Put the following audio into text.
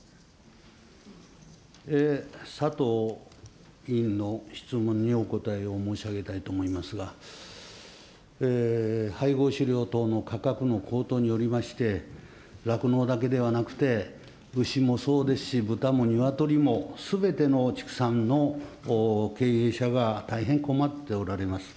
佐藤委員の質問にお答えを申し上げたいと思いますが、配合飼料等の価格の高騰によりまして、酪農だけではなくて、牛もそうですし、豚も鶏もすべての畜産の経営者が大変困っておられます。